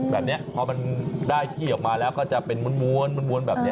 แบบนี้พอมันได้ที่ออกมาแล้วก็จะเป็นม้วนแบบนี้